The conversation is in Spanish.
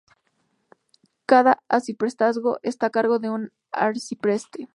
Cada arciprestazgo está a cargo de un arcipreste.